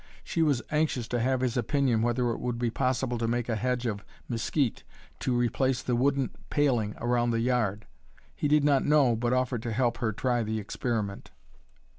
She was anxious to have his opinion whether it would be possible to make a hedge of mesquite to replace the wooden paling around the yard; he did not know, but offered to help her try the experiment.